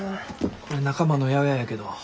これ仲間の八百屋やけど。